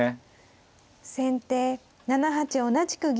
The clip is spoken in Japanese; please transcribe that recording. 先手７八同じく銀。